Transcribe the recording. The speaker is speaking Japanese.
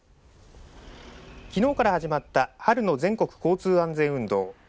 きのうから始まった春の全国交通安全運動